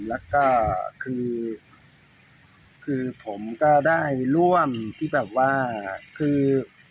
แล้วก็คือผมก็ได้ร่วมที่แบบว่าคือ